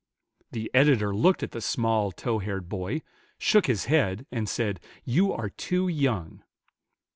The editor looked at the small, tow haired boy, shook his head, and said, "You are too young."